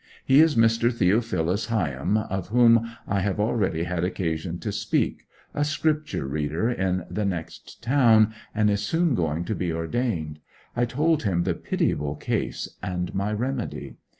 He is the Mr. Theophilus Higham, of whom I have already had occasion to speak a Scripture reader in the next town, and is soon going to be ordained. I told him the pitiable case, and my remedy.